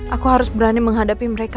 aku harus berani menghadapi mereka